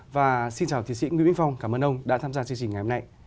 và xin chào tiến sĩ nguyễn vĩnh phong cảm ơn ông đã tham gia chương trình ngày hôm nay